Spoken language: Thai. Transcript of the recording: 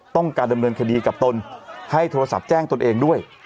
ต้องการดำเนินคดีกับตนให้โทรศัพท์แจ้งตนเองด้วย